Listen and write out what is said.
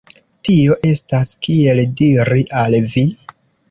Tio estas, kiel diri al vi?